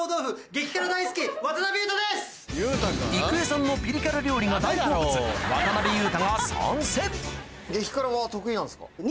郁恵さんのピリ辛料理が大好物渡辺裕太が参戦